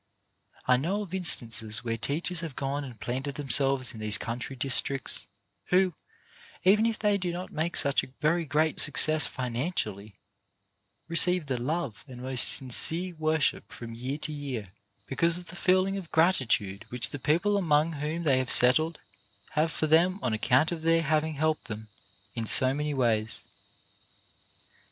I know of instances where teachers have gone and planted themselves in these country districts who, even if they do not make such a very great success financially, receive the love and most sincere worship from year to year, because of the feeling of gratitude which the people among whom they have settled have for them on account of their having helped them in so many ways.